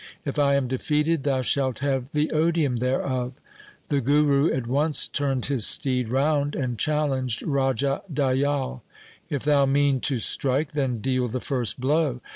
If I am defeated, thou shalt have the odium thereof.' The Guru at once turned his steed THE SIKH RELIGION round and challenged Raja Dayal, ' If thou mean to strike, then deal the first blow.